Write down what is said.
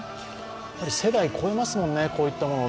世代を超えますもんね、こういったものは。